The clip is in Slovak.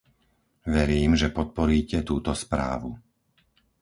Verím, že podporíte túto správu.